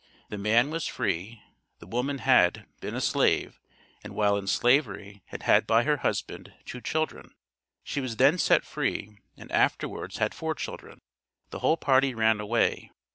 The man was free, the woman had, been a slave, and while in Slavery had had by her husband, two children. She was then set free, and afterwards had four children. The whole party ran away.